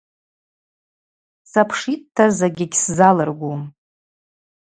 Сапшитӏта – закӏгьи гьсзалыргум.